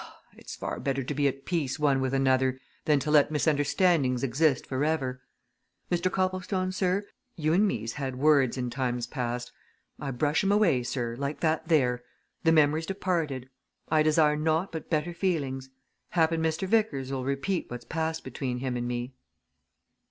"Ah it's far better to be at peace one with another than to let misunderstandings exist for ever. Mr. Copplestone, sir, you and me's had words in times past I brush 'em away, sir, like that there the memory's departed! I desire naught but better feelings. Happen Mr. Vickers'll repeat what's passed between him and me."